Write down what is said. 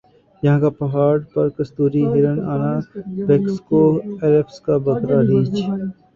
یَہاں کا پہاڑ پر کستوری ہرن آنا بیکس کوہ ایلپس کا بکرا ریچھ